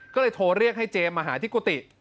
ก็เลยโทรเรียกให้เจมส์มาหาที่กุฏิ